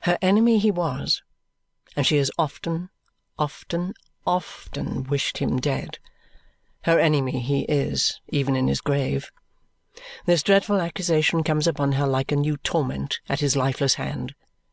Her enemy he was, and she has often, often, often wished him dead. Her enemy he is, even in his grave. This dreadful accusation comes upon her like a new torment at his lifeless hand.